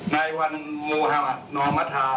นายวันมุหมาธน้อมทา